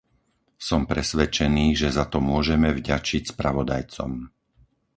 Som presvedčený, že za to môžeme vďačiť spravodajcom.